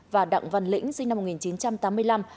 và đặng văn lĩnh sinh năm một nghìn chín trăm tám mươi năm